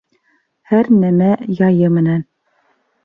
Һәр нәмә яйы менән